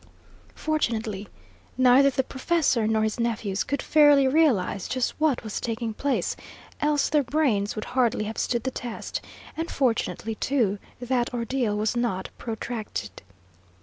Fortunately neither the professor nor his nephews could fairly realise just what was taking place, else their brains would hardly have stood the test; and fortunately, too, that ordeal was not protracted.